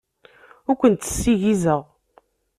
Ur kent-ssiggizeɣ.